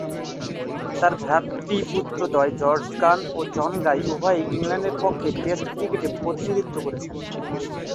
তার ভ্রাতৃস্পুত্রদ্বয় George Gunn ও জন গান উভয়েই ইংল্যান্ডের পক্ষ টেস্ট ক্রিকেটে প্রতিনিধিত্ব করেছেন।